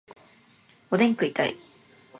おでん食いたい